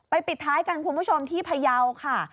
ปิดท้ายกันคุณผู้ชมที่พยาวค่ะ